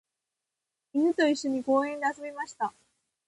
犬と一緒に公園で遊びました。